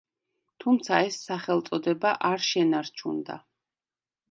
თუმცა ეს სახელწოდება არ შენარჩუნდა.